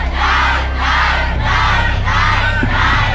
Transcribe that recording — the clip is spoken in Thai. ได้ได้ได้